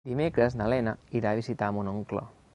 Dimecres na Lena irà a visitar mon oncle.